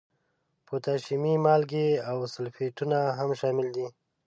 پوتاشیمي مالګې او سلفیټونه هم شامل دي.